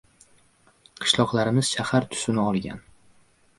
Qishloqlarimiz shahar tusini olgan.